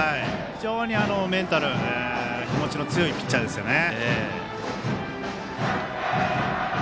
メンタル気持ちの強いピッチャーですね。